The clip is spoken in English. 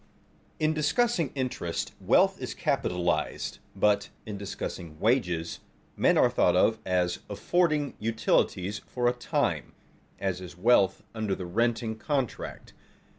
In discussing interest, wealth is capitalized; but, in discussing wages, men are thought of as affording utilities for a time, as is wealth under the renting contract.